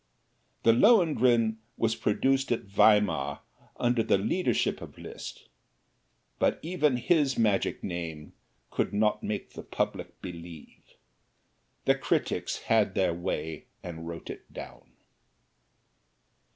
The "Lohengrin" was produced at Weimar under the leadership of Liszt, but even his magic name could not make the people believe the critics had their way and wrote it down.